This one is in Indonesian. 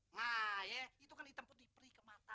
nah ya itu kan hitam putih perih ke mata